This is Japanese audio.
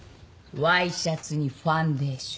ワイシャツにファンデーション。